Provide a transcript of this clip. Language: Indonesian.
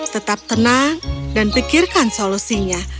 tetap tenang dan pikirkan solusinya